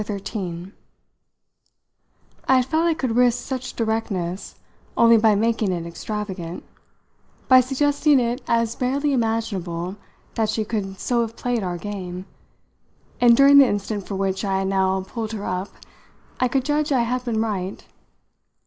XIII I had felt I could risk such directness only by making it extravagant by suggesting it as barely imaginable that she could so have played our game; and during the instant for which I had now pulled her up I could judge I had been right.